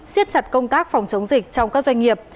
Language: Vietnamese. siết chặt công tác phòng chống dịch trong các doanh nghiệp